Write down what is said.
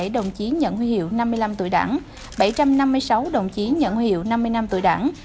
hai trăm bốn mươi bảy đồng chí nhận huy hiệu năm mươi năm tuổi đảng bảy trăm năm mươi sáu đồng chí nhận huy hiệu năm mươi năm tuổi đảng